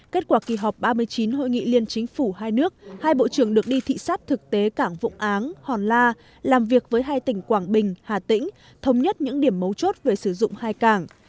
kết quả kỳ họp ba mươi chín hội nghị liên chính phủ hai nước hai bộ trưởng được đi thị xát thực tế cảng vụng áng hòn la làm việc với hai tỉnh quảng bình hà tĩnh thống nhất những điểm mấu chốt về sử dụng hai cảng